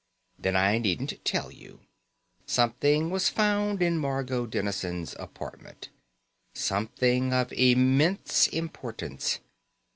Then I needn't tell you. Something was found in Margot Dennison's apartment. Something of immense importance.